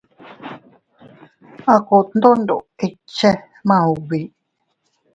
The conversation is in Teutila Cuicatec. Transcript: A kot nondoʼo ikche maubi.